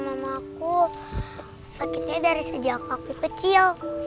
mamaku sakitnya dari sejak aku kecil